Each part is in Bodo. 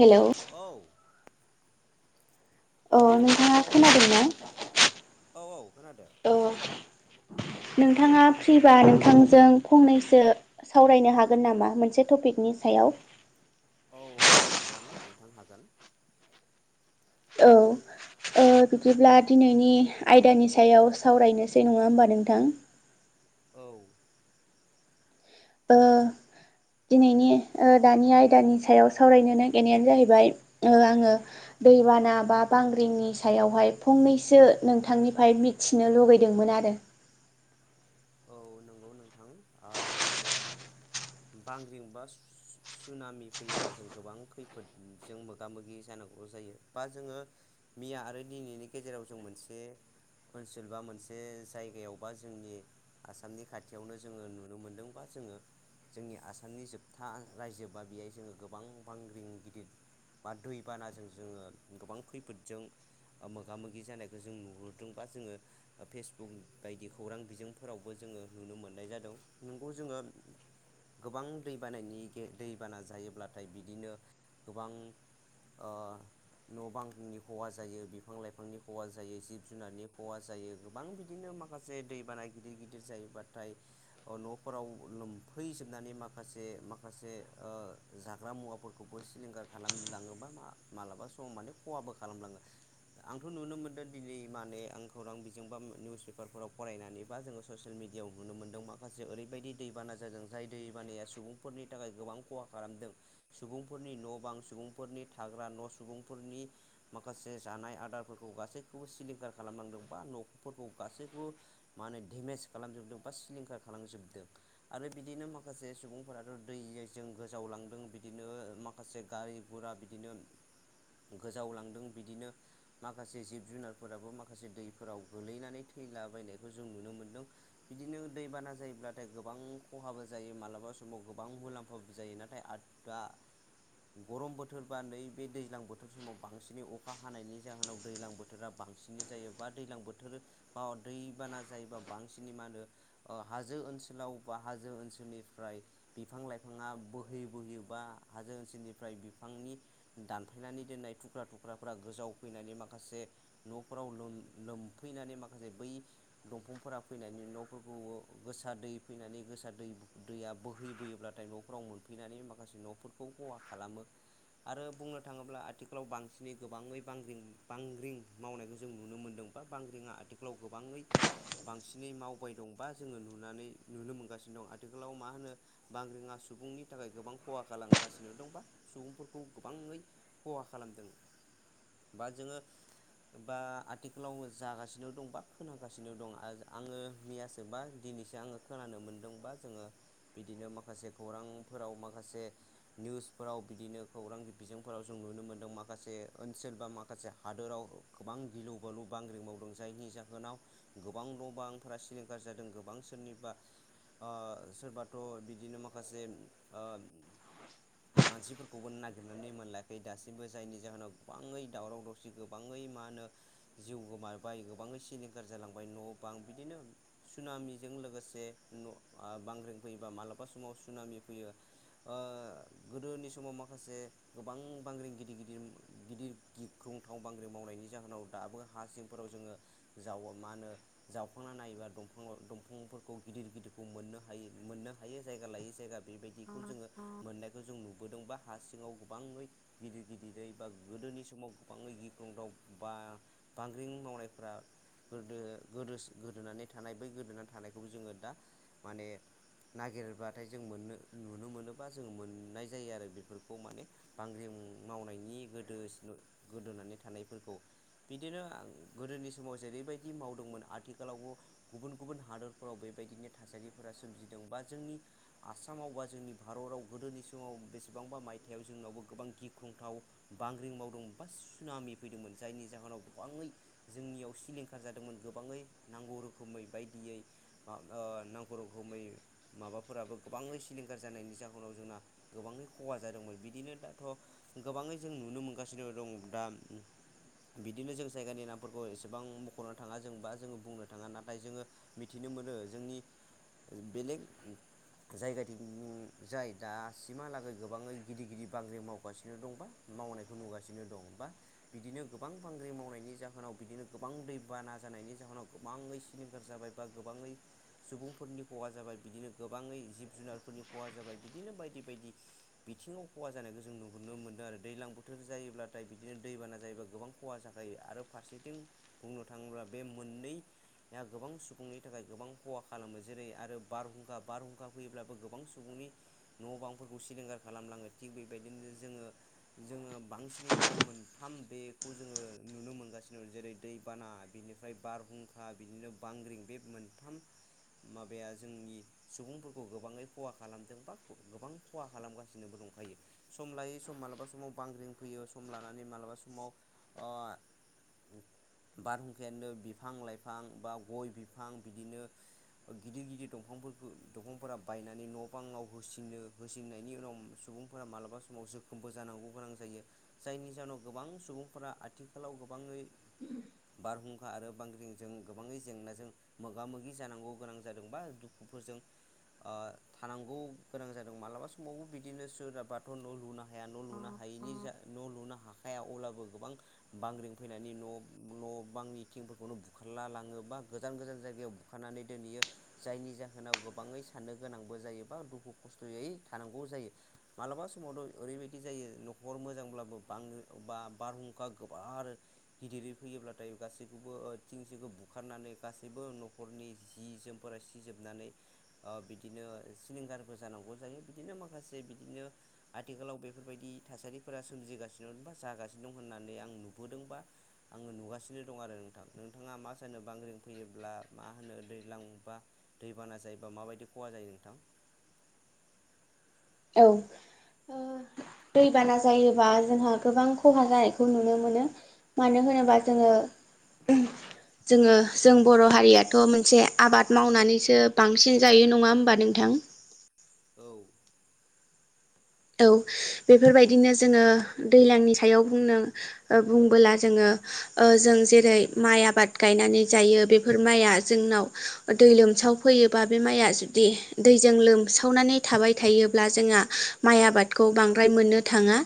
हेल' औ नोंथाङा औ खोनादो‌ खोनादोंना? औ औ खोनादो। औ नोंथाङा फ्रिबा नोंथांजों फंनैसो सावरायनो हागोन नामा मोनसे टपिकनि सायाव? औ हागोन हागोन नोंथां हागोन। औ। ओ बिदिब्ला दिनैनि आयदानि सायाव सावरायनोसै नङा होमबा नोंथां? औ। ओ दिनैनि ओ दानि आयदानि सायाव सावरायनो नागिरनायानो जाहैबाय ओ आङो दैबाना बा बांग्रिंनि सायावहाय फंनैसो नोंथांनिफ्राय मिथिनो लुगैदोंमोन आ रो। औ [inaudible] नंगौ नोंथां। ओ जोङो बांग्रिं बा सुनामि फैयोब्ला जों गोबां खैफोदजों मोगा मोगि जा नांगौ जायो बा जोङो मैया आरो दिनैनि गेजेराव जों मोनसे ओनसोल बा मोनसे जायगायावबा जोंनि आसामनि खाथियावनो जोङो नुनो मोनदोंबा जोङो। जोंनि आसामनि जोबथा रायजो बा बेहाय जोङो गोबां बांग्रिं गिदिर बा दैबानाजों जोङो गोबां खैफोदजों। मोगा मोगि जानायखौ जों नुहुरदोंबा जोङो फेसबुक बायदि खौरां बिजों फोरावबो जोङो नुनो मोननाय जादों नंगौ जोङो गोबां दैबानायानि दैबाना जायोब्लाथाय बिदिनो गोबां ओ न' बांनि खहा जायो बिफां लाइफांनि खहा जायो जिब जुनारनि खहा जायो गोबां बिदिनो माखासे दै बानाय गिदिर गिदिर जायोबाथाय न'फोराव लोमफैजोबनानै माखासे माखासे ओ जाग्रा मुवाफोरखौबो सिलिंखार खालामलाङोबा मालाबा सम माने खहाबो खालामलाङो। आंथ' नुनो मोनदों दिनै माने आं खौरां बिजोंबा निउस पेपारफोराव फरायनानै। जोङो ससियेल मिडियाआव नुनो मोनदों माखासे ओरैबायदि दैबाना जादों जाय दैबानाया सुबुंफोरनि थाखाय गोबां खहा खालामदों सुबुंफोरनि न' बां सुबुंफोरनि थाग्रा न' सुबुंफोरनि माखासे माखासे जानाय आदारफोरखौ गासैखौबो सिलिंखार खालामनांदों बा न'खरफोरखौ गासैखौबो माने डेमेज खालामजोबदों बा सिलिंखार खालामजोबदों आरो बिदिनो माखासे सुबुंफोराथ' दै जों गोजावलांदों बिदिनो माखासे गारि गुरा बिदिनो गोजावलांदों बिदिनो माखासे जिब जुनारफोराबो माखासे दैफोराव गोलैनानै थै थैलाबायदों। जों नुनो मोनदों बिदिनो दैबाना जायोब्लाथाय गोबां खहाबो जायो मालाबा समाव गोबां मुलाम्फाबो जायो नाथाय आ दा गरम बोथोरबा नैबे दैज्लां बोथोर समाव बांसिनै अखा हानायनि जाहोनाव दैज्लां बोथोरा बांसिन बांसिनै जायो बा दैज्लां बोथोर बा दै बाना जायोबा बांसिन मा होनो ओ हाजो ओनोलाव बा हाजो ओननिफ्राय बिफां बिफां-लाइफाङा बोहैयो बोहैयोबा हाजो ओनसोलनिफ्राय बिफांनि दानफायनानै दोननाय थु थुख्राफ्रा गोजाव फैनानै माखासे न'फोराव लोमफैनानै माखासे बै दंफांफोरा फैनानै न'फोरखौ गोसा दै फैनानै गोसा दै दैया बोहैबोयोब्ला न'फ्राव मोनफैनानै माखासे न'फोरखौ खहा खालामो। आरो बुंनो थाङोब्ला आथिखालाव बांसिनै गोबाङै बांग्रिं बांग्रिं मावनायखौ जों नुनो मोन्दोंमोन। बांग्रिंङा आथिखालाव गोबाङै [inaudible] बांसिनै मावबाय बा जोङो नुनानै नुनो मोनगासिनो दं आथिखालाव मा होनो बांग्रिंङा सुबुं सुबुंनि थाखाय गोबां खहा खालामगासिनो दं बा सुबुंफोरखौ गोबाङै खहा खालामदों। बा जोङो बा आथिखालाव जागासिनो दं बा खोनाग जागासिनो दं आरो आङो मैयासोबा दिनैसो आङो खोनानो मोनदोंबा जोङो। बिदिनो माखासे खौरांफोराव माखासे निउसफोराव बिदिनो खौरां बिजोंफोराव जों नुनो मोनदों माखासे ओनसोल बा माखासे हादोराव गोबां गिलु बालु बांग्रि मावदों जायनि जाहोनाव गोबां न' बां फोरा सिलिंखार जादों गोबां सोरनिबा ओ सोरबाथ' बिदिनो माखासे ओ मानसिफोरखौबो नागिरनानै मोनलायाखै दासिमबो जायनि जाहोनाव गोबाङै दावराव दावसि गोबाङै मा होनो जिउ गोमाबाय गोबां सिलिं खार जांबाय न' बां बिदिनो सुनामिजों लोगोसे न ओ बांग्रं फैयोबा मालाबा बबेबा समाव सि फैयो ओ गोदोनि समाव माखासे गोबां बांग्रं गिद गिदिर गिदिर गिख्रुंथाव बांग्रि मावनायनि जाहोनाव दाबो हासिमफोराव जोङो जावो मा होनो जावखांना नायोबा दंफांफोरखौ गिदिर गिदिरखौ मोननो हायो मोननो। दायो जागा लायै जायगा बेबायदिखौ जोङो मोननायखौ जों नुबोदों बा हा सिङाव गोबाङै गिदिर गिदिर गिदिरै बा गोदोनि समाव गोबाङै गिख्रंदाव बा बांग्रिं मावनायफोरा गोदो गोदो गोदोनानै थानाय बै गोदोनानै थानायखौबो जोङो दा माने नागिरबाथाय जों मोननो नुनो मोनोबा जों मोननाय जायो आरो बेफोरखौ माने बांग्रि मावनायनि गोदो गोदोनानै थानायफोरखौ बिदिनो गोदोनि स माव जेरैबायदि मावदोंमोन आथिखालावबो गुबुन गुबुन हादरफोराव बेबायदिनो थासारिफोरा सोमजिदों बा जोंनि आसामाव बा जोंनि भारताव गोदोनि समाव बेसेबांबा मायथाइयाव जोंनावबो गोबां गिख्रंथाव बांग्रिं मावदों बा सुनाामि फैदोंमोन जायनि जाहोनाव गोबाङै जोंनियाव सिलिंखार जादोंमोन गोबाङै नांगौ रोखोमै बायदियै माबा नांगौ रोखोमै माबाफोराबो गोबाङै सिलिंखार जानायनि जाहोनाव जोंना गोबाङै खहा जादोंमोन बिदिनो दाथ' गोबाङै जों नुनो मोनगासिनो दं दा बिदिनो जों जायगानि नामफोरखौ बेसेबां मख'नो थाङा जों बा जोङो बुंनो थाङा नाथाय जोङो मिथिनो मोनो जोंनि बेलेग जायगाथिं जाय दासिमहालागै गोबाङै गिदिर गिदिर बांग्रि मावगासिनो दंबा मावनायखौ नुगासिनो दं बा बिदिनो गोबां बांग्रि मावनायनि जाहोनाव बिदिनो गोबां दैबाना जानायनि जाहोनाव गोबाङै सिलिंखार जाबाय बा गोबाङै सुबुंफोरनि खहा जाबाय। बिदिनो गोबाङै जिब जुनारफोरनि खहा जाबाय बिदिनो बायदि बायदि बिथिङाव खहा जानायखौ जों नु नो मोनदों आरो दैज्लां बोथोर जायोब्लाथाय बिदिनो दैबाना जायोबा गोबां खहा जाखायो आरो फारसेथिं बुंनो थाङोब्ला बे मोननैआ गोबां सुबुंनि थाखाय गोबां खहा खालामो जेरै आरो बारहुंखा बारहुंखा फैयोब्लाबो गोबां सुबुंनि न' बांफोरखौ सिलिंखारार खालामलाङो थिग बेबायदिनो जोङो जोङो बांसिनै दा मोनथाम बेखौ जोङो नुनो मोनगासिनो जेरै दैबाना बिनिफ्राय बारहुंखा बिदिनो बांग्रिं बे मोनथाम माबाया जोंनि सुबुंफोरखौ गोबाङै खहा खालामदों बा गोबां खहा खालामगासिनोबो दं खायो सम लायै सम मालाबा समाव बांग्रिं फैयो सम लानानै मालाबा समाव [inaudible] बारहुंखायानो बिफां लाइफां बा गय बिफां बिदिनो गिदिर गिदिर दंफां फोरखौ दंफांफोरा बायनानै न' बाङाव होसिनो होसिननायनि उनाव सुबुंफोरा मालाबा समाव जोखोमबो जानांगौ गोनां जायो जायनि जाहोनाव गोबां सुबुंफोरा आथिखालाव गोबाङै बारहुंखा आरो बांग्रिंजों गोबाङै जेंनाजों मोगा मोगि जानांगौ गोनां जादोंबा दु फोरजों ओ थानांगौ गोनां जादों मालाबा समावबो बिदिनो सोरहाबाथ' न' लुनो हाया न' लुनो हा यिनि जा न' लुनो हाखाया अब्लाबो गोबां बांग्रिं फैनानै न' [inaudible] न' बांनि थिंफोरखौनो बुखारला लाङो बा गोजान गोजान जायगायाव बुखारनानै दोनहैयो जायनि जाहोनाव गोबाङै साननो गोनांबो जायोबा दुखु खस्थ'यै थानांगौ जायो मालाबा समावथ' ओरैबायदि जा यो न'खर मोजांब्लाबो बांग्रि बा बारहुंखा गोबार गिदिरै फैयोब्लाथाय गासैखौबो ओ थिं सिंखौ बुखारनानै गासैबो न'खरनि जि जोमफोरा सिजोब नानै ओ बिदिनो सिलिंखारबो जानांगौ जायो बिदिनो माखासे बिदिनो आथि खालाव बेफोरबायदि थासारिफोरा सोमजिगासिनो बा जागासिनो दं होननानै आं नुबोदों बा आंङो नुगासिनो दं आरो नोंथां नोंथांङा मा सानो बांग्रिं फैयोब्ला मा होनो दैज्लां बा दैबाना जायोबा माबायदि खहा जायो नोंथां? औ ओ दैबाना जायोबा जोंहा गोबां खहा जानायखौ नुनो मोनो। मानो होनोबा जोंङो जोङो जों बर' हारियाथ' मोनसे आबाद मावनानैसो बांसिन जायो नंङा होमबा नोंथां? [unintelligible] औ। औ बेफोरबायदिनो जोङो दैज्लांनि सायाव बुंनो बुंबोला जोङो जों जेरै माइ आबाद गायनानै जायो बेफोर माइआ जोंनाव दै लोम सावफैयोबा बे माइआ जुदि दैजों लोमसावनानै थाबाय थायोब्ला जोंहा माइ आबादखौ बांद्राय मोननो थांङा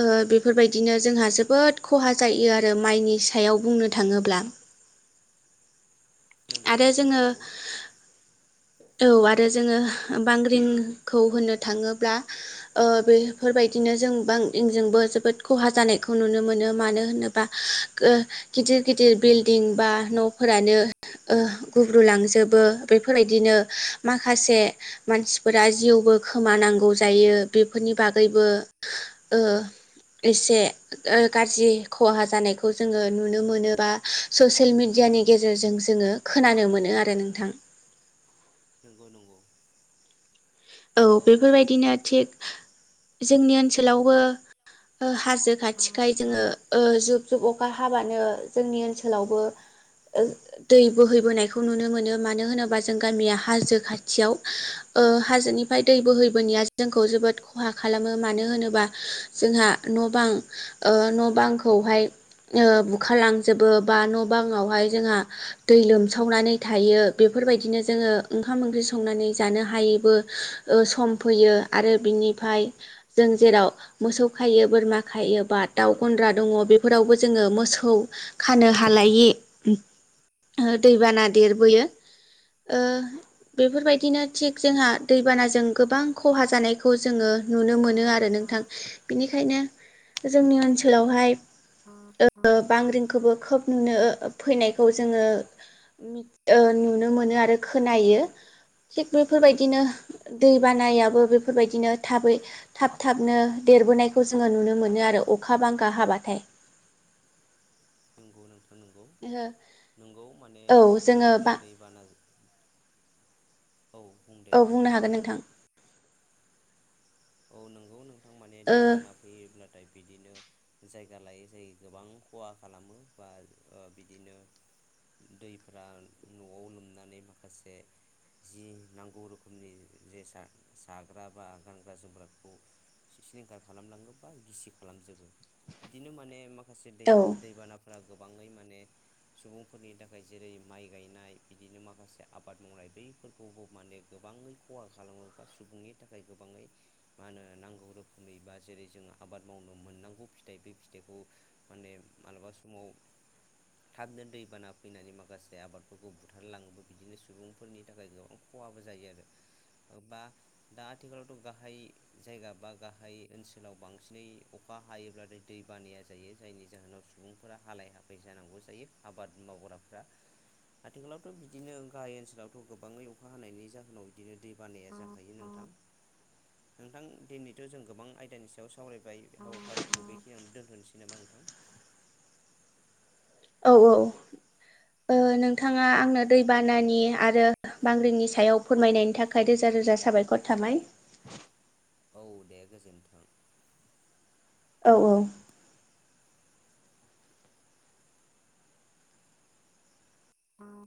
ओ बेफोरबायदिनो जोंहा जोबोद खहा जायो आ रो माइनि सायाव बुंनो थांङोब्ला। नंगौ आरो नोंथां जोंङो नंगौ औ आरो जोंङो बांग्रिंखौ होननो थांङोब्ला ओ बैफोरबाय दिनो जों बांग्रिंजोंबो जोबोद खहा जानायखौ नुनो मोनो मानो होनोबा ओ गिद गिदिर गिदिर बिल्डिं बा न'फोरानो ओ गुब्रुलांजोबो बेफोरबायदिनो माखासे मानसिफोरा जिउ खौबो खोमानांगौ जायो बेफोरनि बागैबो ओ एसे ओ गाज्रि खहा जानायखौ जोंङो नुनोमोनोबा सचेल मिडिया नि गेजेरजों जोंङो खोनानो मोनो आरो नोंथां। नंगौ नंगौ। औ बेफोरबायदिनो थिग जोंनि ओनसोलावबो ओ हाजो खाथिखाय जोंङो ओ जुब जुब अखा हाबानो जोंनि ओनसोलावबो ओ दै बोहैबोनायखौ नुनो मोनो मानो होनोबा जों गामिया हाजो खाथियाव ओ हाजोनिफ्राय दै बोहै बोनाया जोंखौ जोबोद खहा खालामो मानो होनोबा जोंहा न' बां ओ न' बांखौहाय ओ बुखार लांजोबो बा न' बांङावहाय जोंहा दै लोमसावनानै थायो बेफो बेफोरबायदिनो जोंङो ओंखाम ओंख्रि संनानै जानो हायैबो ओ सम फैयो आरो बिनिफ्राय जों जेराव मोसौ खायो बोरमा खायो योबा दाउ गन्द्रा दंङ बेफोरावबो जोंङो मोसौ खानो हालायि ओ दैबाना देरबोयो ओ बेफोरबायदिनो थिग जोंहा दैबानाजों गोबां खहा जानायखौ जोंङो नुनो मोनो आरो नोंथां बेनिखायनो जोंनि ओनसोलावहाय ओ बांग्रिंखौबो खोब नुनो फैनायखौ जोंङो मिथ ओ नुनो मोनो आरो खोनायो थिग बेफोरबायदिनो दै बानायाबो बेफोरबायदिनो थाबै थाब थाबनो देरबोनायखौ जोंङो नुनो मोनो आरो अखा बांखा हाबाथाय। नोंगौ नोंथां। नोंगौ नोंगौ माने औ जोङो बिदिनो बा दैबाना औ बुं दे औ नोंथां बुंनो हागोन नोंथां औ नंगौ नोंथां माने ओ दैबाना फैयोब्ला थाय बिदिनो जायगा लायै जाय गोबां खहा खालामो बा ओ बिदिनो दैफोरा नआव लोमनानै माखासे जि नांगौ रोखोमनि जेसा जाग्राबा गान ग्रा जोमग्राखौ सिलिंखार खालामलांङो बा गिसि खालामजोबो बिदिनो माने मा खासे दै दैबानाफोरा गोबांङै माने सुबुंफोरनि थाखाय जेरै माइ गायनाय बिदिनो माखासे आबाद मावनाय बैफोरखौबो माने गोब बांङै खहा खालामोबा सुबुंनि थाखाय गोबांङै मा होनो नांगौ रोखोमै बा जेरै जोंङो आबाद मावनो मोननांगौ फिथाइ बे फिथाइखौ माने मालाबा समाव थाबनो दैबाना फैनानै माखासे आबादफोरखौ बुथारलांङोबो बिदिनो सुबुंफोरनि थाखाय गोबां ख खहाबो जायो आरो ओ बा दा आथिखालावथ गाहाय जायगा बा गाहाय ओनसोलाव बांसिनै अखा हायोब्लानो दै बानाया जायो जायनि जाहोनाव सुबुंफोरा हालाय हाफाय जानांगौ जायो आबाद मावग्राफ्रा आथिखालावथ बिदिनो गाहाय ओनसोलावथ गोबांङै अखा हानायनि जाहोनाव बिदिनो दै बानाया जाखायो नोंथां [inaudible] नोंथां दिनैथ जों गोबां आयदानि सायाव सावरायबाय बे हाबाफारिखौ बेखिनियावनो दोनथनोसै नामा नोंथां [inaudible] औ औ ओ नोंथांङा आंनो दैबानानि आरो बांग्रिंनि सायाव फोरमायनायनि थाखाय रोजा रोजा साबायखर थाबाय औ दे गोजोन्थों औ औ [inaudible]